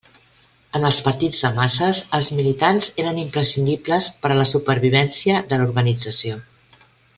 En els partits de masses, els militants eren imprescindibles per a la supervivència de l'organització.